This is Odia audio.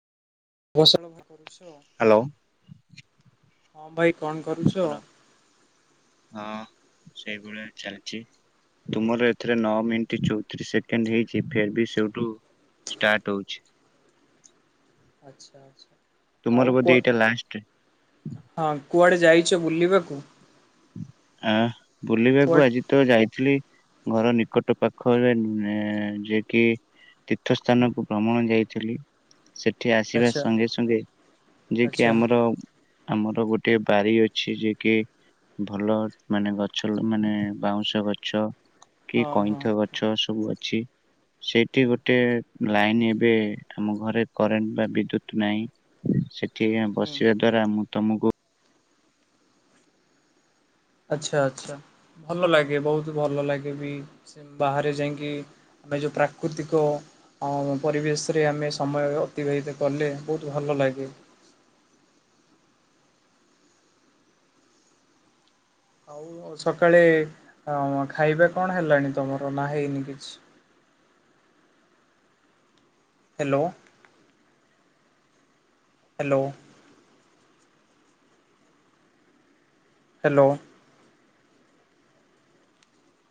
[inaudible] ହ୍ୟାଲୋ ହଁ ଭାଇ କଣ କରୁଛ? ହ୍ୟାଲୋ। ହଁ, ସେଇଭଳିଆ ଚାଲିଛି। ତୁମର ଏଥିରେ ନଅ ମିନିଟ୍ ଚଉତିରିଶ ସେକେଣ୍ଡ୍ ହେଇଛି। ଫେର୍ ବି ସେଇଠୁ ଷ୍ଟାର୍ଟ ହଉଛି। ଆଚ୍ଛା ଆଚ୍ଛା। ତୁମର ଆଉ ବୋଧେ କୁଆ ଏଇଟା ଲାଷ୍ଟ ହଁ, କୁଆଡେ ଯାଇଚ ବୁଲିବାକୁ? ଆଁ ବୁଲିବାକୁ କୁଆଡେ ଆଜି ତ ଯାଇଥିଲି ଘର ନିକଟ ପାଖରେ, ନେଁ-ଏ ଯିଏ କି ତୀର୍ଥ ସ୍ଥାନକୁ ଭ୍ରମଣ ଯାଇଥିଲି। ସେଠି ଆସିବା ଆଚ୍ଛା ସଙ୍ଗେ ସଙ୍ଗେ ଯେକି ଆଚ୍ଛା ଆମର ଆମର ଗୋଟେ ବାରି ଅଛି। ଯିଏ କି ଭଲ ମାନେ ଗଛ ମାନେ ବାଉଁଶ ଗଛ, କି ହଁ ହଁ କଇଁଥ ଗ ଛ ସବୁ ଅଛି। ସେଇଠି ହୁଁ ଗୋଟେ ଲାଇନ୍ ହୁଁ ଏବେ ଆମ ଘରେ କରେଣ୍ଟ୍ ବା ବିଦ୍ୟୁତ୍‌ ନାହିଁ। ସେଠି ଆଁ ହୁଁ ବସିବା ଦ୍ଵାରା ମୁଁ ତମକୁ ଆଚ୍ଛା, ଆଚ୍ଛା, ଭଲ ଲାଗେ। ବହୁତ ଭଲ ଲାଗେ ବି ସେ ବାହାରେ ଯାଇକି ଆମେ ଯୋଉ ପ୍ରାକୃତିକ ଅଁ, ଆମ ପରିବେଶରେ ଆମେ ସମୟ ଅତିବାହିତ କଲେ, ବହୁତ ଭଲ ଲାଗେ। ଆଉ, ସକାଳେ ଖାଇବା କଣ ହେଲାଣି ତମର ନା ହେଇନି କିଛି? ହ୍ୟାଲୋ। ହ୍ୟାଲୋ। ହ୍ୟାଲୋ।